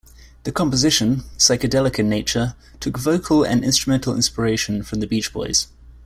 The composition, psychedelic in nature, took vocal and instrumental inspiration from The Beach Boys.